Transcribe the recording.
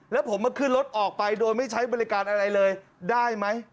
แล้วผมมาขึ้นรถออกไปโดยไม่ใช้บริการอะไรเลยได้ไหม